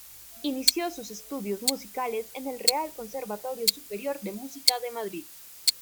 Inició sus estudios musicales en el Real Conservatorio Superior de Música de Madrid.